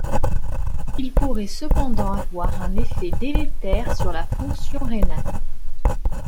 Il pourrait cependant avoir un effet délétère sur la fonction rénale.